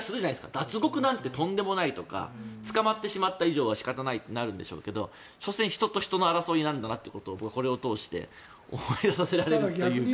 脱獄なんてとんでもないとか捕まってしまった以上は仕方がないとなるんでしょうけど所詮、人と人の争いなんだなということを僕はこれを通して思い知らされるというか。